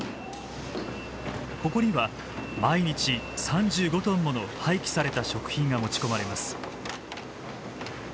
ここには毎日３５トンもの廃棄された食品が持ち込まれます。